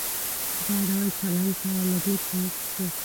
دا ډول چلن سره له دې چې اوږد شو.